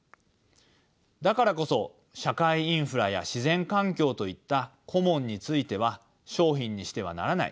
だからこそ社会インフラや自然環境といったコモンについては商品にしてはならない。